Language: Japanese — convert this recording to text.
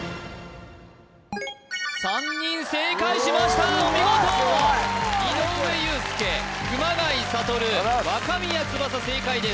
３人正解しましたお見事すごい！井上裕介熊谷覚若宮翼正解です